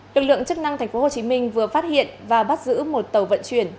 lực lượng chức năng tp hcm vừa phát hiện và bắt giữ một tàu vận chuyển